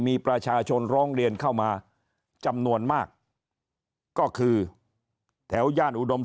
มีประชาชนร้องเรียนเข้ามาจำนวนมากก็คือแถวย่านอุดม